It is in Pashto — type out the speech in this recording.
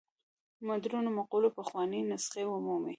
مډرنو مقولو پخوانۍ نسخې ومومي.